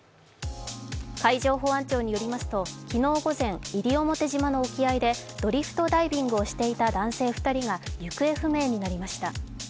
海上保安庁によりますと昨日午前、西表島の沖合でドリフトダイビングをしていた男性２人が行方不明になりました。